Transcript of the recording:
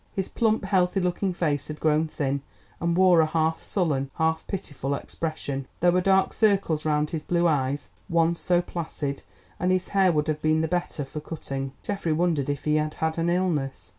His plump healthy looking face had grown thin, and wore a half sullen, half pitiful expression; there were dark circles round his blue eyes, once so placid, and his hair would have been the better for cutting. Geoffrey wondered if he had had an illness.